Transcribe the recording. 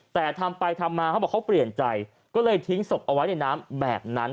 แต่ทำไปทำมาเขาบอกเขาเปลี่ยนใจก็เลยทิ้งศพเอาไว้ในน้ำแบบนั้น